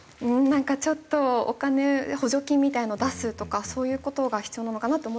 なんかちょっとお金補助金みたいなのを出すとかそういう事が必要なのかなと思っていて。